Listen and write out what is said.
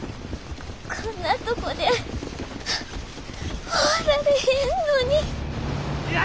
こんなとこで終わられへんのに。